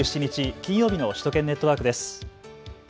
金曜日の首都圏ネットワークです。